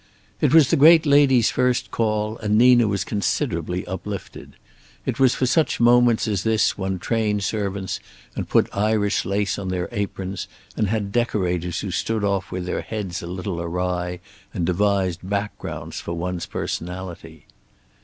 It was the great lady's first call, and Nina was considerably uplifted. It was for such moments as this one trained servants and put Irish lace on their aprons, and had decorators who stood off with their heads a little awry and devised backgrounds for one's personality.